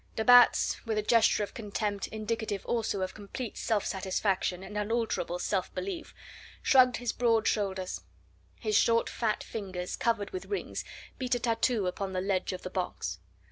De Batz, with a gesture of contempt indicative also of complete self satisfaction and unalterable self belief, shrugged his broad shoulders. His short fat fingers, covered with rings, beat a tattoo upon the ledge of the box.